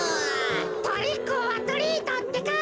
トリックオアトリートってか。